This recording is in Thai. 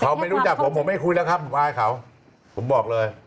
เขาไม่รู้จักผมผมไม่คุยแล้วครับผมอายเขาผมบอกเลย